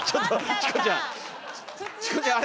チコちゃんあれ？